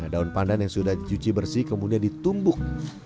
daun pandan yang sudah dicuci bersih kemudian ditumbuk